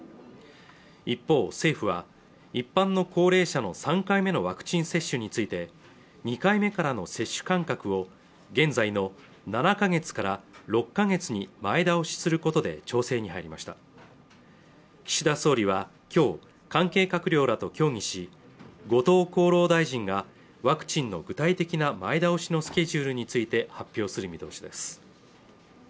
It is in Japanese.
一方政府は一般の高齢者の３回目のワクチン接種について２回目からの接種間隔を現在の７か月から６か月に前倒しすることで調整に入りました岸田総理はきょう関係閣僚らと協議し後藤厚労大臣がワクチンの具体的な前倒しのスケジュールについて発表する見通しです